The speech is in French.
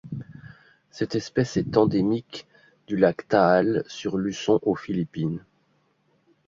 Cette espèce est endémique du lac Taal sur Luçon aux Philippines.